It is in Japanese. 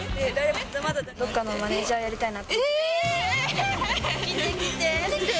どっかのマネージャーやりたいなと思ってて。